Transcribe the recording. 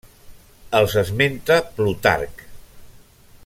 Els esmenta Plutarc.